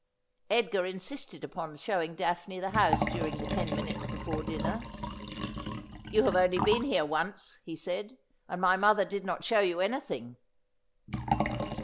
Edgar insisted upon showing Daphne the house during the ten minutes before dinner. ' You have only been here once,' he said, ' and my mother did not show you anything.'